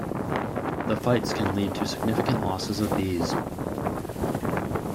The fights can lead to significant losses of bees.